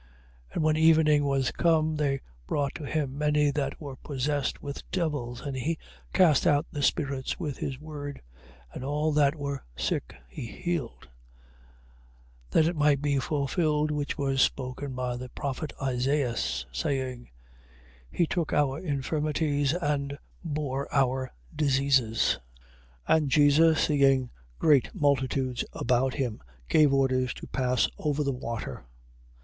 8:16. And when evening was come, they brought to him many that were possessed with devils: and he cast out the spirits with his word: and all that were sick he healed: 8:17. That it might be fulfilled, which was spoken by the prophet Isaias, saying: He took our infirmities, and bore our diseases. 8:18. And Jesus seeing great multitudes about him, gave orders to pass over the water.